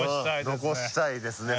残したいですね